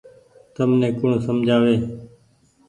تمني ڪوڻ سمجها وي ۔